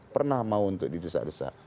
pernah mau untuk didesak desak